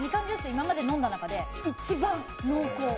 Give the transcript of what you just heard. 今まで飲んだ中で、一番濃厚。